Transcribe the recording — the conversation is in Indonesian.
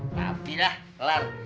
lapi dah kelar